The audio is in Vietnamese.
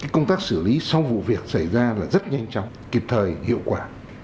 công tác xử lý sau vụ việc xảy ra là rất nhanh chóng kịp thời hiệu quả